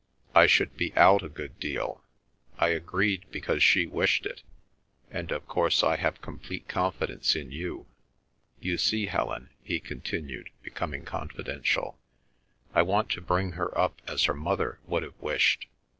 I should be out a good deal. I agreed because she wished it. And of course I have complete confidence in you. ... You see, Helen," he continued, becoming confidential, "I want to bring her up as her mother would have wished.